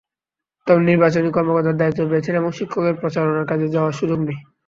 তবে নির্বাচনী কর্মকর্তার দায়িত্ব পেয়েছেন এমন শিক্ষকদের প্রচারণার কাজে যাওয়ার সুযোগ নেই।